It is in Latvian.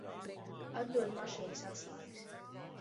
Atdod mašīnas atslēgas.